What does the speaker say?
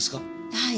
はい。